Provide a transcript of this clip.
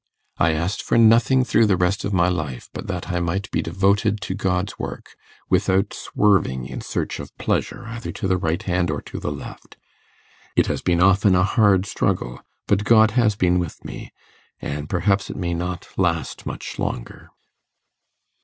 I asked for nothing through the rest of my life but that I might be devoted to God's work, without swerving in search of pleasure either to the right hand or to the left. It has been often a hard struggle but God has been with me and perhaps it may not last much longer.